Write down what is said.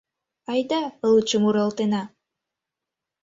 Айда, лучо муралтена.